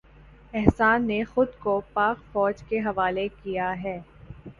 احسان نے خود کو پاک فوج کے حوالے کیا ہے